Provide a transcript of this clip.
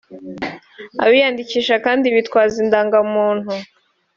Abiyandikisha kandi bitwaza indangamuntu